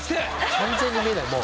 完全に見えないもう。